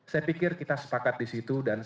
saya pikir kita sepakat disitu dan